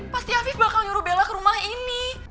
pasti afif bakal nyuruh bella ke rumah ini